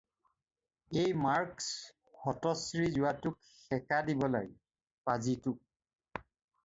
এই মাৰ্ক্স হতশ্ৰী যোৱাটোক সেকা দিব লাগে, পাজিটোক।